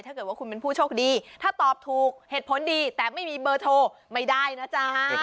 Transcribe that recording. ถ้าเกิดว่าคุณเป็นผู้โชคดีถ้าตอบถูกเหตุผลดีแต่ไม่มีเบอร์โทรไม่ได้นะจ๊ะ